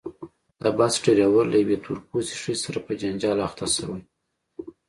د بس ډریور له یوې تور پوستې ښځې سره په جنجال اخته شوی.